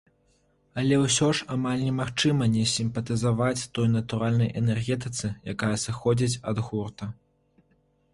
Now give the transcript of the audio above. Але ўсё ж амаль немагчыма не сімпатызаваць той натуральнай энергетыцы, якая сыходзіць ад гурта.